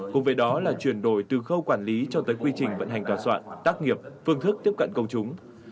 cùng với đó là chuyển đổi từ khâu quản lý cho tới quy trình vận hành tòa soạn tác nghiệp phương thức tiếp cận công chúng